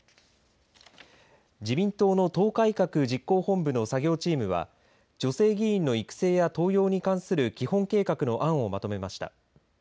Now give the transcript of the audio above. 自民党の党改革実行本部の作業チームは女性議員の育成や登用に関する基本計画の案をまとめました。